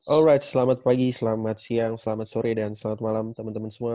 all ride selamat pagi selamat siang selamat sore dan selamat malam teman teman semua